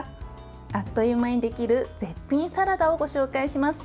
あっという間にできる絶品サラダをご紹介します。